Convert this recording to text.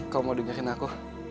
kau mau dengerin aku